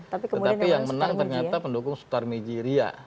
tetapi yang menang ternyata pendukung sutar mijiria